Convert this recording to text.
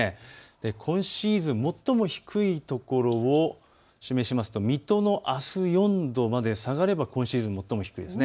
今シーズン最も低いところを示しますと水戸もあす４度まで下がれば今シーズン最も低いです。